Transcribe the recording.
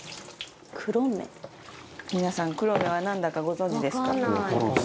財前：皆さん、クロメはなんだかご存じですか？